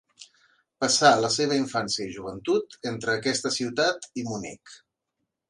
Passà la seva infància i joventut entre aquesta ciutat i Munic.